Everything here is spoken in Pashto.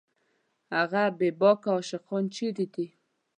هغه بېباکه عاشقان چېرې دي